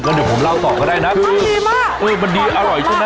อร่อยจนนะ